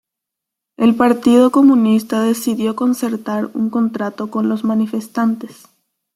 El partido comunista decidió concertar un contrato con los manifestantes.